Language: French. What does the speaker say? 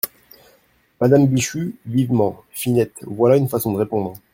Madame Bichu , vivement. — Finette… voilà une façon de répondre !